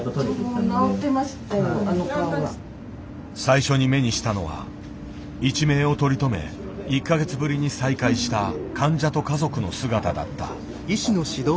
最初に目にしたのは一命を取り留め１か月ぶりに再会した患者と家族の姿だった。